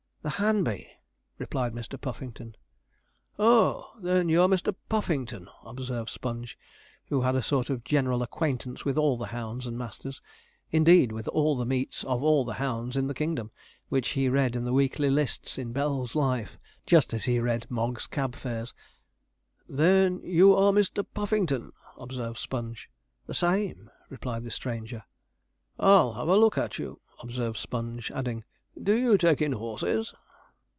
'The Hanby,' replied Mr. Puffington. 'Oh! then you are Mr. Puffington,' observed Sponge, who had a sort of general acquaintance with all the hounds and masters indeed, with all the meets of all the hounds in the kingdom which he read in the weekly lists in Bell's Life, just as he read Mogg's Cab Fares. 'Then you are Mr. Puffington?' observed Sponge. 'The same,' replied the stranger. 'I'll have a look at you,' observed Sponge, adding, 'do you take in horses?'